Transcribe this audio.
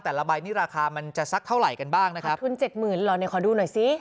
ใบนี้ราคามันจะสักเท่าไหร่กันบ้างนะครับทุนเจ็ดหมื่นเหรอเนี่ยขอดูหน่อยสิ